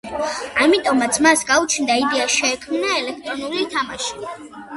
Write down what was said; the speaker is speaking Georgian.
ამიტომაც მას გაუჩნდა იდეა შეექმნა ელექტრონული თამაში.